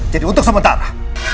jadi untuk sementara